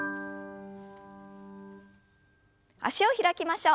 脚を開きましょう。